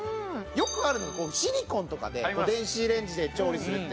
よくあるのがシリコンとかで電子レンジで調理するって。